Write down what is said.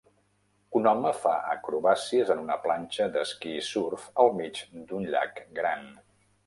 Un home fa acrobàcies en una planxa d'esquí-surf al mig d'un llac gran.